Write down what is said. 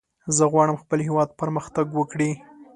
زه غواړم خپل هېواد پرمختګ وکړي.